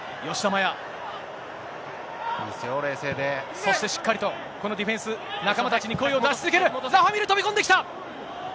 そしてしっかりと、このディフェンス、仲間たちに声を出し続ける、ラファ・ミール、飛び込んできた。